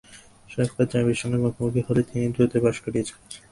সাফাকাত সাহেবের সঙ্গে মুখোমুখি হলেই তিনি দ্রুত পাশ কাটিয়ে চলে যান।